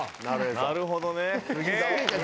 なるほどね。